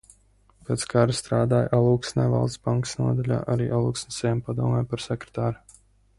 Pēc kara strādāja Alūksnē Valsts bankas nodaļā, arī Alūksnes ciema padomē par sekretāri.